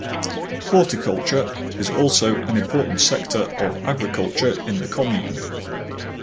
Horticulture is also an important sector of agriculture in the commune.